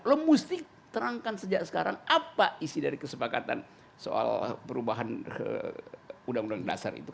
lo mesti terangkan sejak sekarang apa isi dari kesepakatan soal perubahan uu nasar itu